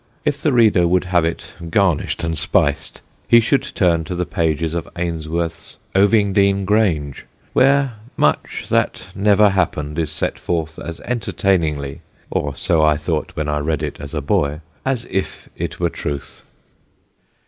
If the reader would have it garnished and spiced he should turn to the pages of Ainsworth's Ovingdean Grange, where much that never happened is set forth as entertainingly (or so I thought when I read it as a boy) as if it were truth.